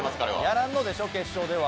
やらんのでしょ、決勝では。